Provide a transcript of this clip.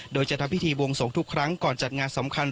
โดยจะทำพิธีบวงสงทุกครั้งก่อนจัดงานสำคัญ